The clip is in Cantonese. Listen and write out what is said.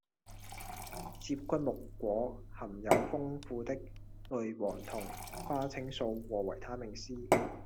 接骨木果含有豐富的類黃酮、花青素和維他命 C